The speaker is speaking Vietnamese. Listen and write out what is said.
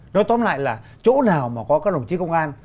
nói tóm lại là chỗ nào mà có các đồng chí công an